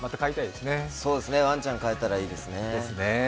ワンちゃん飼えたらいいですね。